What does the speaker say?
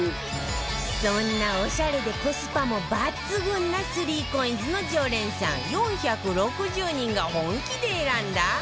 そんなオシャレでコスパも抜群な ３ＣＯＩＮＳ の常連さん４６０人が本気で選んだ